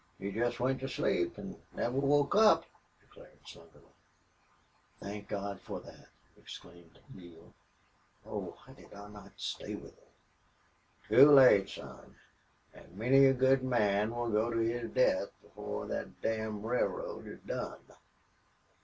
"He jest went to sleep an' never woke up," declared Slingerland. "Thank God for that!" exclaimed Neale. "Oh, why did I not stay with him?" "Too late, son. An' many a good man will go to his death before thet damn railroad is done."